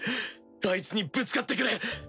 アイツにぶつかってくれ！